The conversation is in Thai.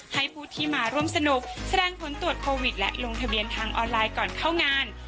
ให้ผู้ที่มาร่วมสนุกแสดงผลตรวจโควิดและลงทะเบียนทางออนไลน์ก่อนเข้างาน